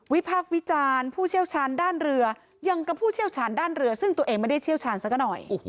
พากษ์วิจารณ์ผู้เชี่ยวชาญด้านเรือยังกับผู้เชี่ยวชาญด้านเรือซึ่งตัวเองไม่ได้เชี่ยวชาญสักหน่อย